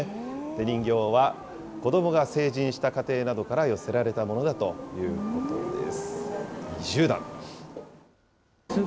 人形は、子どもが成人した家庭などから寄せられたものだということです。